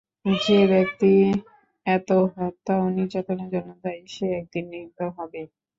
যে ব্যক্তি এত হত্যা ও নির্যাতনের জন্য দায়ী সে একদিন নিহত হবেই।